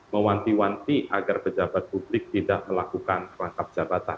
mewanti wanti agar pejabat publik tidak melakukan rangkap jabatan